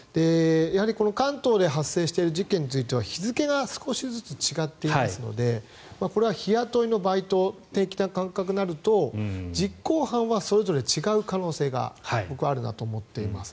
関東で発生している事件というのは日付が少しずつ違っていますのでこれは日雇いのバイト的な感覚となると実行犯はそれぞれ違う可能性があるなと思っています。